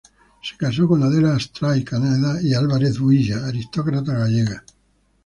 Se casó con Adela Astray-Caneda y Álvarez-Builla, aristócrata gallega.